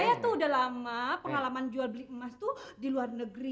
saya tuh udah lama pengalaman jual beli emas tuh di luar negeri